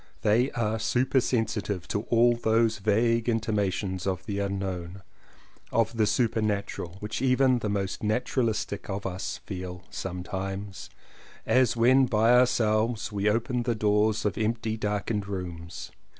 They are supersensitive to all those vague intimations of the unknown, of the supernatural, which even the most naturalistic of us feel some times — as when by ourselves we open the doors of empty darkened rooms.